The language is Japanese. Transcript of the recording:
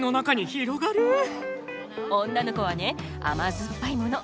女の子はね甘酸っぱいもの